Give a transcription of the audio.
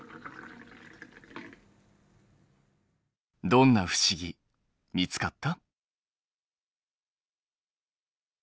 どんな不思議見つかった？